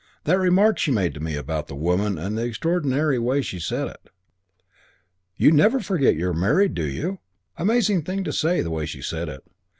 That remark she made to that woman and the extraordinary way she said it. 'You never forget you're married, do you?' Amazing thing to say, the way she said it.